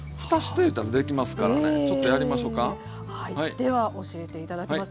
では教えて頂きます。